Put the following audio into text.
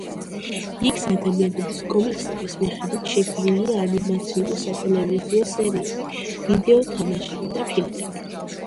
იქს-ადამიანების კომიქსების მიხედვით შექმნილია ანიმაციური სატელევიზიო სერიები, ვიდეო თამაშები და ფილმები.